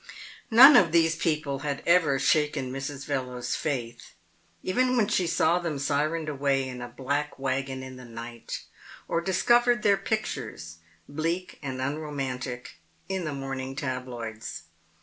None of these people had ever shaken Mrs. Bellowes' faith, even when she saw them sirened away in a black wagon in the night, or discovered their pictures, bleak and unromantic, in the morning tabloids.